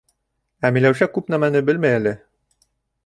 Ә Миләүшә күп нәмәне белмәй әле.